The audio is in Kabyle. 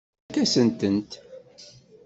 Ifakk-asent-tent.